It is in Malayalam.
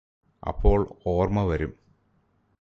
അപ്പോൾ ഓർമ്മ വരും